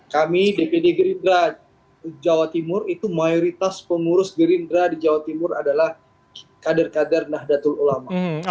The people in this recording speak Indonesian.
kami dpd gerindra jawa timur itu mayoritas pengurus gerindra di jawa timur adalah kader kader nahdlatul ulama